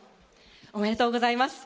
おめでとうございます。